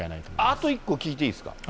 あと１個聞いていいですか。